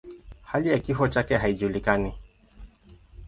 Hali ya kifo chake haijulikani.